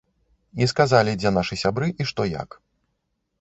І сказалі, дзе нашы сябры і што як.